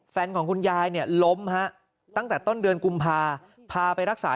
ของคุณยายเนี่ยล้มฮะตั้งแต่ต้นเดือนกุมภาพาไปรักษา